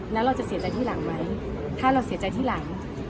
แล้วเราจะเสียใจที่หลังไหมถ้าเราเสียใจที่หลัง